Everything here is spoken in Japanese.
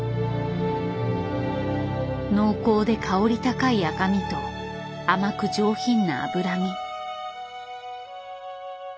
濃厚で香り高い赤身と甘く上品な脂身。